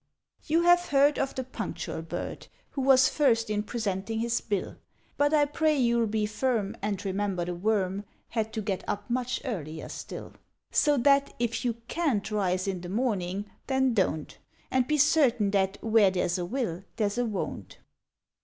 You have heard of the Punctual Bird, Who was First in presenting his Bill; But I pray you'll be firm, And remember the Worm Had to get up much earlier still; (So that, if you can't rise in the morning, then Don't; And be certain that Where there's a Will there's a Won't.)